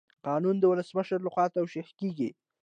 قانون د ولسمشر لخوا توشیح کیږي.